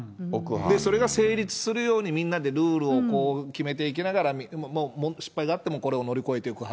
それが成立するように、みんなでルールを決めていきながら、もう失敗があっても、それを乗り越えていく派。